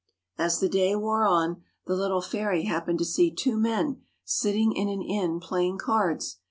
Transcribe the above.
As the day wore on, the little fairy happened to see two men sitting in an inn, playing cards.